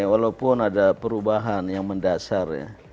walaupun ada perubahan yang mendasar ya